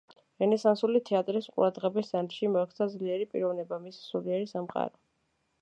რენესანსული თეატრის ყურადღების ცენტრში მოექცა ძლიერი პიროვნება, მისი სულიერი სამყარო.